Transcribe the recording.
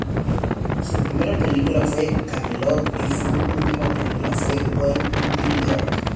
Su primera película fue "Camelot" y su última película fue "Wait Until Dark".